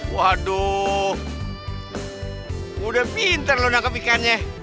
waduh udah pinter lo nangkep ikannya